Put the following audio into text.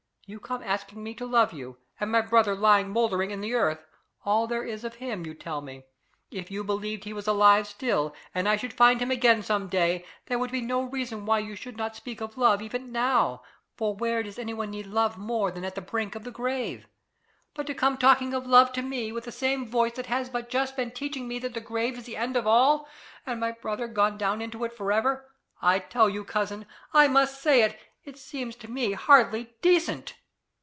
You come asking me to love you, and my brother lying mouldering in the earth all there is of him, you tell me! If you believed he was alive still, and I should find him again some day, there would be no reason why you should not speak of love even now; for where does anyone need love more than at the brink of the grave? But to come talking of love to me, with the same voice that has but just been teaching me that the grave is the end of all, and my brother gone down into it for ever I tell you, cousin I must say it it seems to me hardly decent.